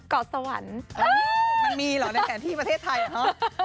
เกาะสวรรค์มันมีเหรอในแผนที่ประเทศไทยเหรอ